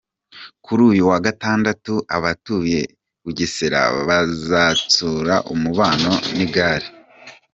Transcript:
Kuri uyu wa Gatandatu abatuye i Bugesera bazatsura umubano n'igare .